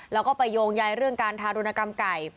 แล้วก็ไปโยงใยเรื่องการทารุณกรรมไก่